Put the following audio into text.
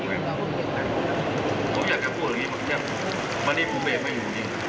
ผมอยากการพูดกับพี่เจ๊นวันนี้ผมเบ่งไม่อยู่นี่